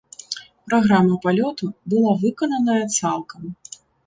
Праграма палёту была выкананая цалкам.